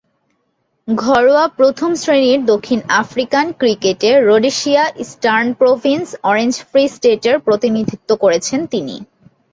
ঘরোয়া প্রথম-শ্রেণীর দক্ষিণ আফ্রিকান ক্রিকেটে Rhodesia, Eastern Province, Orange Free স্টেটের প্রতিনিধিত্ব করেছেন তিনি।